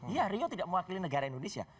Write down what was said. iya rio tidak mewakili negara indonesia